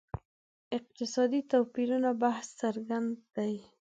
اقتصادي توپیرونو بحث څرګند دی.